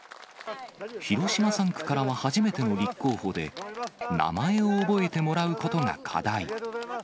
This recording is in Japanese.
広島３区からは初めての立候補で、名前を覚えてもらうことが課題。